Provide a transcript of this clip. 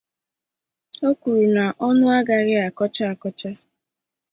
O kwuru na ọnụ agaghị akọcha akọcha